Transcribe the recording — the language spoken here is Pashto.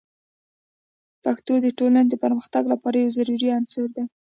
پښتو د ټولنې د پرمختګ لپاره یو ضروري عنصر دی.